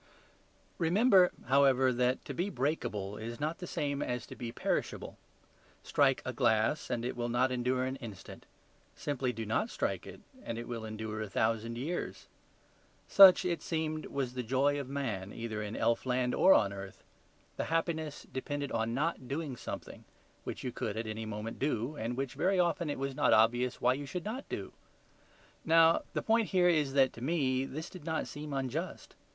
Remember, however, that to be breakable is not the same as to be perishable. Strike a glass, and it will not endure an instant; simply do not strike it, and it will endure a thousand years. Such, it seemed, was the joy of man, either in elfland or on earth; the happiness depended on NOT DOING SOMETHING which you could at any moment do and which, very often, it was not obvious why you should not do. Now, the point here is that to ME this did not seem unjust.